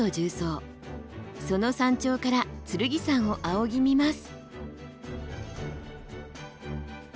その山頂から剣山を仰ぎ見ます。